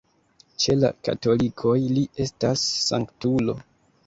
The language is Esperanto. Ĉe la katolikoj li estas sanktulo.